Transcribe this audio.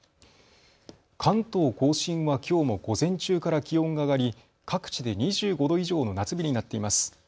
関東甲信はきょうも午前中から気温が上がり各地で２５度以上の夏日になっています。